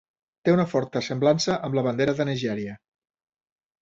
Té una forta semblança amb la bandera de Nigèria.